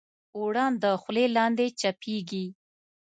اوړه د خولې لاندې چپېږي